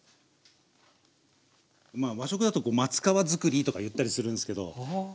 和食だと松皮造りとか言ったりするんすけど。